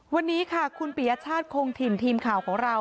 วันนี้ค่ะคุณปริยชาสคงทีมข่าวของเรา